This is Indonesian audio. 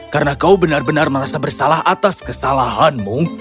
karena kau benar benar merasa bersalah atas kesalahanmu